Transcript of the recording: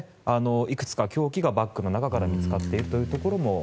いくつか凶器がバッグの中から見つかっているというところも。